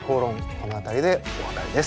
この辺りでお別れです。